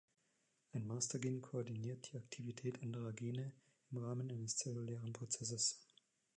Ein Master-Gen koordiniert die Aktivität anderer Gene, im Rahmen eines zellulären Prozesses.